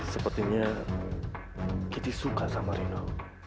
sepertinya kita suka sama rino